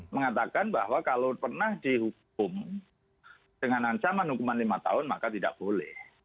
mengatakan bahwa kalau pernah dihukum dengan ancaman hukuman lima tahun maka tidak boleh